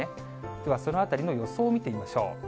では、そのあたりの予想を見てみましょう。